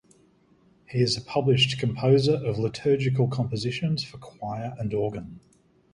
He is a published composer of liturgical compositions for choir and organ.